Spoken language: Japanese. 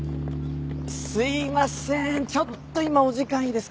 すいませんちょっと今お時間いいですか？